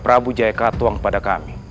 prabu jaya katuang kepada kami